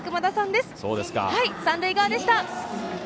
三塁側でした。